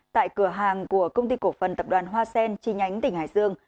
tại cửa hàng của công ty cổ phần tập đoàn hoa sen chi nhánh tỉnh hải dương